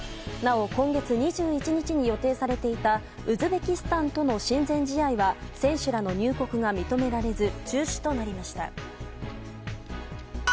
なお今月２１日に予定されていたウズベキスタンとの親善試合は選手らの入国が認められず中止となりました。